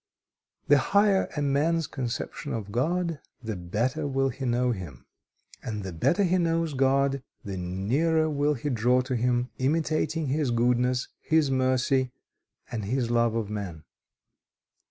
"The higher a man's conception of God, the better will he know Him. And the better he knows God, the nearer will he draw to Him, imitating His goodness, His mercy, and His love of man.